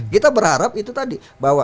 kita berharap itu tadi bahwa